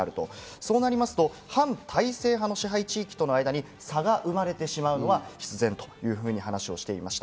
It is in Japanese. そうなると反体制派の支配地域との間に差が生まれてしまうのは必然というふうに話をしていました。